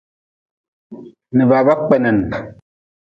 Ni baaba kpenin.